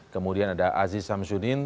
kemudian ada aziz samsuddin